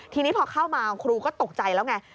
ทีนี้พอเข้ามาครูก็ตกใจแล้วไง